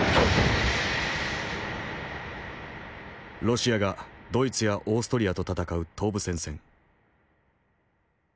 ロシアがドイツやオーストリアと戦う東部戦線。